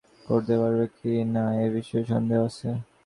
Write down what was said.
তারা আদৌ পড়াশোনায় মনোনিবেশ করতে পারবে কি না এ বিষয়ে সন্দেহ আছে।